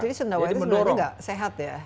jadi sendawa itu sebenarnya nggak sehat ya